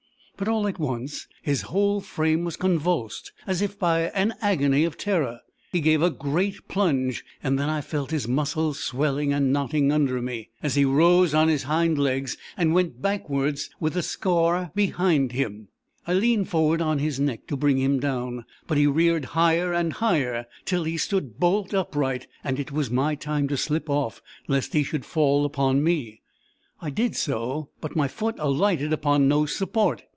But all at once, his whole frame was convulsed, as if by an agony of terror. He gave a great plunge, and then I felt his muscles swelling and knotting under me, as he rose on his hind legs, and went backwards, with the scaur behind him. I leaned forward on his neck to bring him down, but he reared higher and higher, till he stood bolt upright, and it was time to slip off, lest he should fall upon me. I did so; but my foot alighted upon no support.